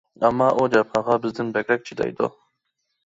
ئەمما ئۇ جاپاغا بىزدىن بەكرەك چىدايدۇ.